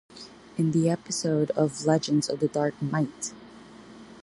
In the episode Legends of the Dark Mite!